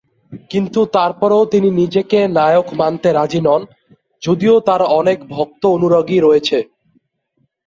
কিন্তু তারপরেও তিনি নিজেকে নায়ক মানতে রাজি নন, যদিও তার অনেক ভক্ত অনুরাগী রয়েছে।